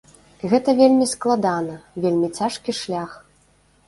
Гэта вельмі складана, вельмі цяжкі шлях.